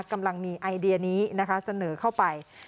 กำลังมีไอเดียนี้นะคะเสนอเข้าไป